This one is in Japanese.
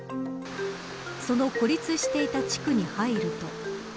その孤立していた地区に入ると。